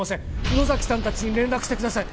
「野崎さんたちに連絡してください」